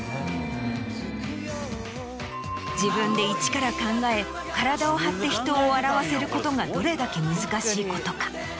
自分でイチから考え体を張って人を笑わせることがどれだけ難しいことか。